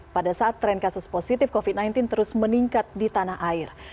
pada saat tren kasus positif covid sembilan belas terus meningkat di tanah air